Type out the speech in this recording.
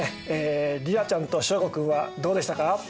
莉奈ちゃんと祥伍君はどうでしたか？